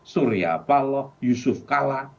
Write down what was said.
surya pahlaw yusuf kalla